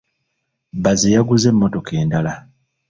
Bbaze yaguze emmotoka endala.